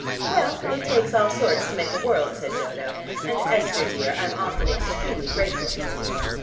"Well, it takes all sorts to make a world," said Dodo, "and, Esther dear, I'm often extremely grateful to Seymour.